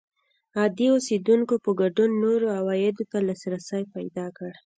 عادي اوسېدونکو په ګډون نورو عوایدو ته لاسرسی پیدا کړ